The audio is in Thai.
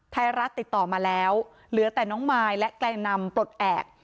ไทยรัฐติดต่อมาแล้วเหลือแต่น้องมายและแกลงนำปลดแอบ